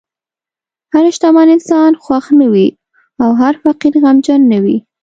هر شتمن انسان خوښ نه وي، او هر فقیر غمجن نه وي.